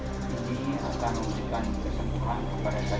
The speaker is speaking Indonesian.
saya yakin waktu ini akan menunjukkan kesembuhan kepada saya